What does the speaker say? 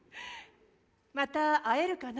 また会えるかな？